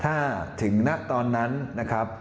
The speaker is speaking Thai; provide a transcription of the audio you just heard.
ถ้าถึงณตอนนั้นนะครับ